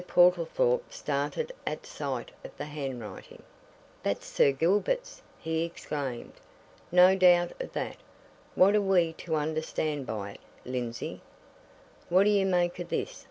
Portlethorpe started at sight of the handwriting. "That's Sir Gilbert's!" he exclaimed. "No doubt of that. What are we to understand by it, Lindsey?" "What do you make of this?"